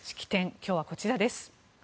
今日は、こちらです。